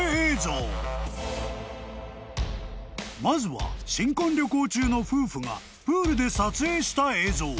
［まずは新婚旅行中の夫婦がプールで撮影した映像］